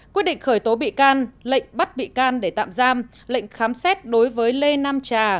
quyết định khởi tố bị can lệnh bắt bị can để tạm giam lệnh khám xét đối với lê nam trà